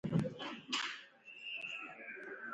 خو بابا مې پرې د تورو ټکو مزه نه وڅکلې.